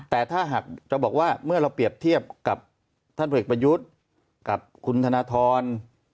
แต่ถ้าหากบอกว่ามันเปรียบเทียบกับท่านผุแตกประยุทธ์กับคุณธนทร